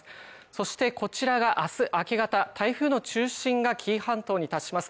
そしてこちらがあす明け方台風の中心が紀伊半島に達します